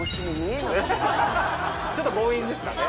ちょっと強引ですかね？